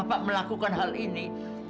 kamu kok disini